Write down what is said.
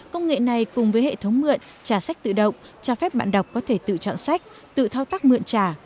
công nghệ này cùng với hệ thống mượn trả sách tự động cho phép bạn đọc có thể tự chọn sách tự thao tác mượn trả